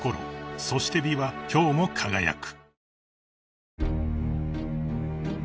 ［そして美は今日も輝く］